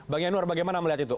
bang yanuar bagaimana melihat itu